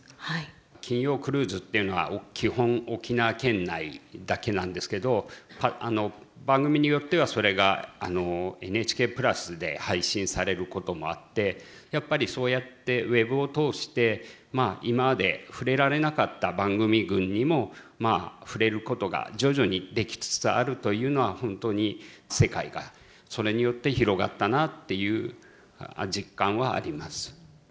「金曜クルーズ」っていうのは基本沖縄県内だけなんですけど番組によってはそれが「ＮＨＫプラス」で配信されることもあってやっぱりそうやってウェブを通して今まで触れられなかった番組群にも触れることが徐々にできつつあるというのは本当に世界がそれによって広がったなっていう実感はあります。